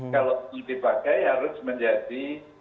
kalau dipakai harus menjadi